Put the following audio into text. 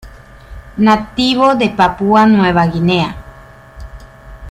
Nativo de Papúa Nueva Guinea.